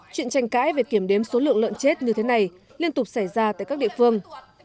chuyện tranh cãi về kiểm đếm số lượng lợn chết như thế này liên tục xảy ra tại các địa phương